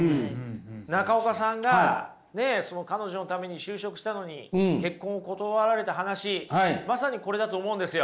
中岡さんが彼女のために就職したのに結婚を断られた話まさにこれだと思うんですよ。